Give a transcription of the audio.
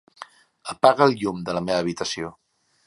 Apaga el llum de la meva habitació.